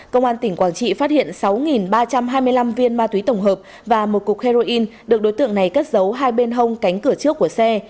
công an tỉnh quảng trị phát hiện sáu ba trăm hai mươi năm viên ma túy tổng hợp và một cục heroin được đối tượng này cất dấu hai bên hông cánh cửa trước của xe